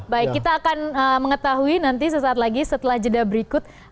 baik kita akan mengetahui nanti sesaat lagi setelah jeda berikut